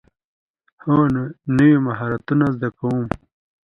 هو، نوی مهارتونه زده کوم